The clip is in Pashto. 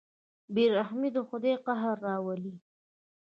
بېرحمي د خدای قهر راولي.